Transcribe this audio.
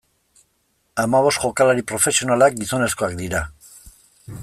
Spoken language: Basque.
Hamabost jokalari profesionalak gizonezkoak dira.